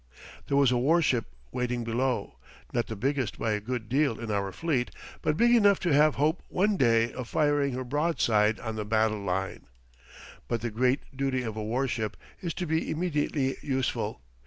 There was a war ship waiting below not the biggest by a good deal in our fleet, but big enough to have hope one day of firing her broadside on the battle line. But the great duty of a war ship is to be immediately useful.